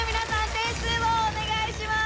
点数をお願いします。